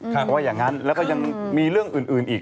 เพราะว่าอย่างนั้นแล้วก็ยังมีเรื่องอื่นอีก